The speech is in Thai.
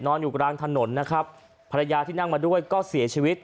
อยู่กลางถนนนะครับภรรยาที่นั่งมาด้วยก็เสียชีวิต